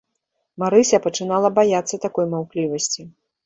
Марыся пачынала баяцца такой маўклівасці.